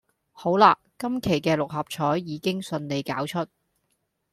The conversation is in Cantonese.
好喇今期嘅六合彩已經順利攪出